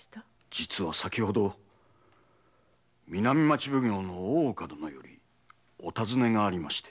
実は先ほど南町奉行の大岡殿よりお尋ねがありまして。